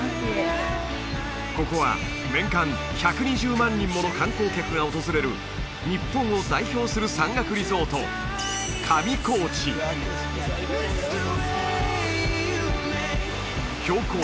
ここは年間１２０万人もの観光客が訪れる日本を代表する山岳リゾート上高地標高